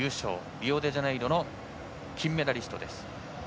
リオデジャネイロの金メダリストです。